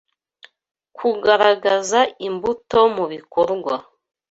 kugaragaza imbuto mu bikorwa